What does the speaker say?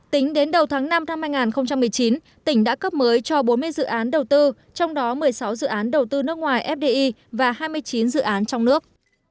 tính đến đầu tháng năm năm hai nghìn một mươi chín tỉnh đã cấp mới cho bốn mươi dự án đầu tư trong đó một mươi sáu dự án đầu tư nước ngoài fdi và hai mươi chín dự án trong nước